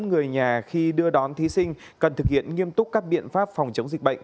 người nhà khi đưa đón thí sinh cần thực hiện nghiêm túc các biện pháp phòng chống dịch bệnh